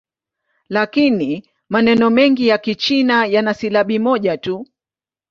Lakini maneno mengi ya Kichina yana silabi moja tu.